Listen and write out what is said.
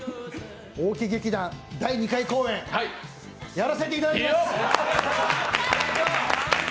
大木劇団第２回公演、やらせていただきます！